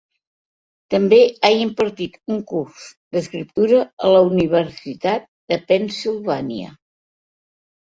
També ha impartit un curs d'escriptura a la Universitat de Pennsylvania.